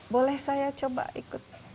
boleh saya coba ikut